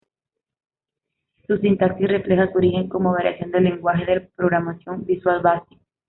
Su sintaxis refleja su origen como variación del lenguaje de programación Visual Basic.